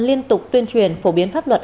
liên tục tuyên truyền phổ biến pháp luật